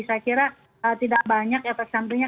saya kira tidak banyak efek sampingnya